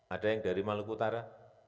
ada yang dari maluku utara